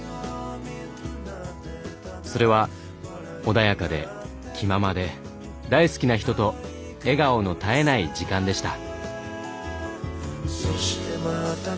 それは穏やかで気ままで大好きな人と笑顔の絶えない時間でした。